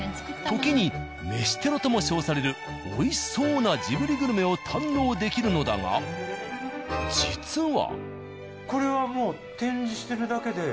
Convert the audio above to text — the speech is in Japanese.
時に「飯テロ」とも称される美味しそうなジブリグルメを堪能できるのだが実は。